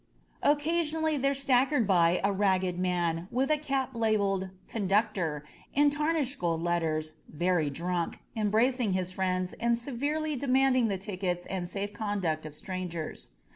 Occasionally there staggered by a ragged man with a cap labeled ^'conductor" in tarnished gold letters, very drunk, embracing his friends and severely demanding the tickets and safe conducts of strangers.